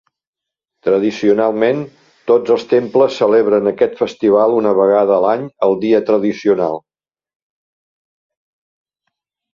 Tradicionalment, tots els temples celebren aquest festival una vegada a l'any el dia tradicional.